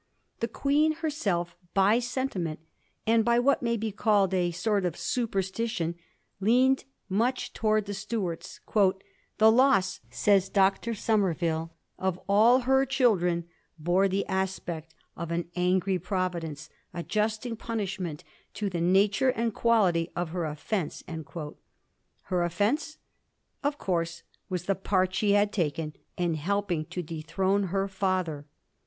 The Queen herself by sentiment, and by what may be called a sort of superstition, leaned much towards the Stuarts. ^ The loss,' says Dr. Somerville, ' of all her children bore the aspect of an angry Providence, adjusting punishment to the nature and quality of her oflfence.' Her offence, of course, was the part she had taken in helping to dethrone her father.